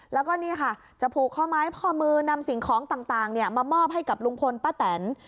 แล้วก็นี่ค่ะจะผูกข้อไม้ข้อมือนำสิ่งของต่างมามอบให้กับลุงพลป้าแตน